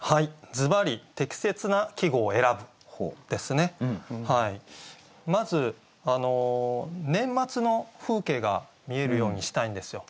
ズバリまず年末の風景が見えるようにしたいんですよ。